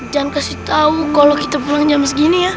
jangan kasih tahu kalau kita pulang jam segini ya